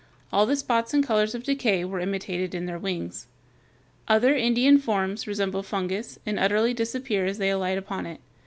All the spots and colors of decay were imitated in their wings. Other Indian forms resemble fungus, and utterly disappear as they alight upon it.